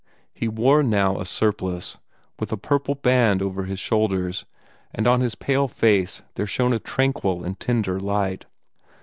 He wore now a surplice, with a purple band over his shoulders, and on his pale face there shone a tranquil and tender light.